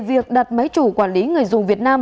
việc đặt máy chủ quản lý người dùng việt nam